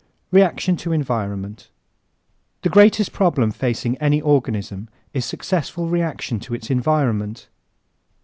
Reaction to Environment ¶ The greatest problem facing any organism is successful reaction to its environment.